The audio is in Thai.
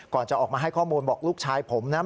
ก่อนจะออกมาให้ข้อมูลบอกลูกชายผมนะ